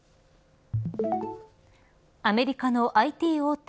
アメリカのＩＴ大手